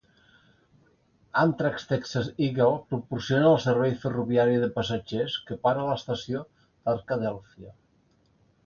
Amtrak's Texas Eagle proporciona el servei ferroviari de passatgers, que para a l'estació d'Arkadelphia.